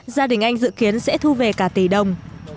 gia đình anh dự kiến sẽ thu về cả tỷ đồng